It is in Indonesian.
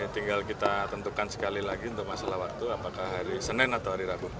tinggal kita tentukan sekali lagi untuk masalah waktu apakah hari senin atau hari rabu